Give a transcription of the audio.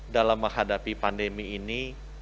dalam menghadapi pandemi ini